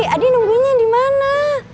adi nungguinnya di mana